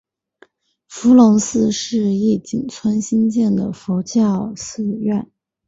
伏龙寺是义井村兴建的佛教寺院。